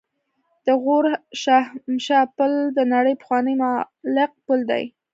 د غور شاهمشه پل د نړۍ پخوانی معلق پل دی